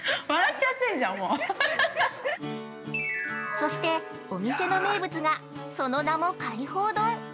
◆そして、お店の名物がその名も海宝丼。